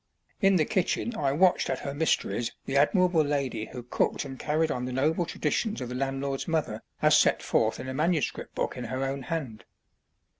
In the kitchen I watched at her mysteries the admirable lady who cooked and carried on the noble traditions of the landlord's mother as set forth in a manuscript book in her own hand.